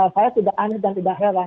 saya sudah aneh dan tidak heran